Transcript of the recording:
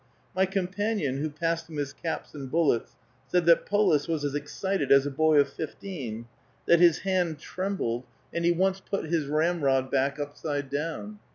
My companion, who passed him his caps and bullets, said that Polis was as excited as a boy of fifteen, that his hand trembled, and he once put his ramrod back upside down.